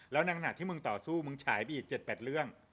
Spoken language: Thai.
แล้วในขณะที่มึงต่อสู้มึงฉายไปอีก๗๘เรื่อง